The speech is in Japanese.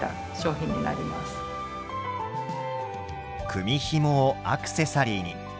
組みひもをアクセサリーに。